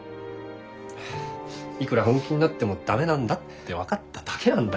いくら本気になっても駄目なんだって分かっただけなんだよ。